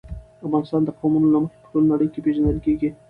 افغانستان د قومونه له مخې په ټوله نړۍ کې پېژندل کېږي.